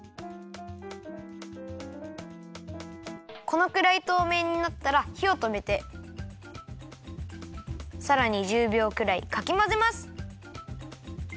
このくらいとうめいになったらひをとめてさらに１０びょうくらいかきまぜます。